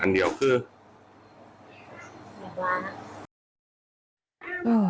อันเดียวคือ